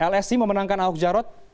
lsi memenangkan ahok jarot